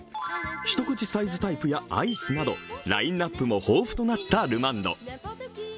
一口サイズタイプやアイスなどラインナップも豊富となったルマンド。